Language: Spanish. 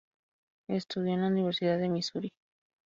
Estudió en la Universidad de Misuri.